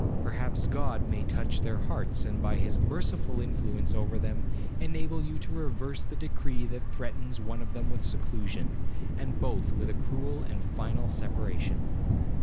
Perhaps God may touch their hearts, and by his merciful influence over them, enable you to reverse the decree that threatens one of them with seclusion, and both with a cruel and final separation.'